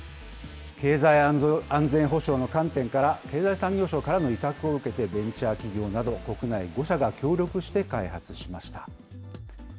経済安全保障の観点から、経済産業省からの委託を受けてベンチャー企業など、国内５社が協力して開発しました。